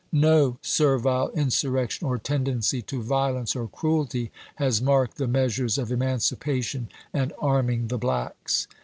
No servile insurrection or tendency to violence or cruelty has marked the measures of emancipation and arming the blacks.